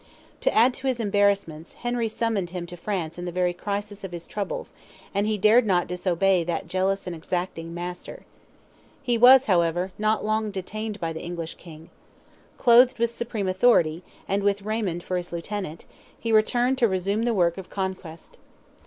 To add to his embarrassments, Henry summoned him to France in the very crisis of his troubles, and he dared not disobey that jealous and exacting master. He was, however, not long detained by the English King. Clothed with supreme authority, and with Raymond for his lieutenant, he returned to resume the work of conquest.